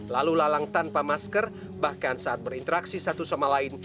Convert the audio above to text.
lalu lalang tanpa masker bahkan saat berinteraksi satu sama lain